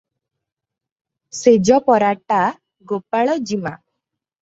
ଶେଜ ପରାଟା ଗୋପାଳ ଜିମା ।